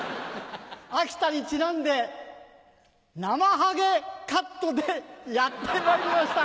秋田にちなんでなまはげカットでやってまいりました。